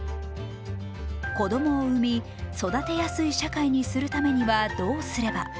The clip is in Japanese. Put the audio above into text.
子供を生み育てやすい社会にするためにはどうすれば。